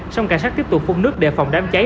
xong cảnh sát tiếp tục phun nước để phòng đám cháy